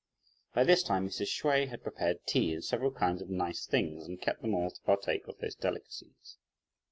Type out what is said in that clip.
By this time Mrs. Hsüeh had prepared tea and several kinds of nice things and kept them all to partake of those delicacies.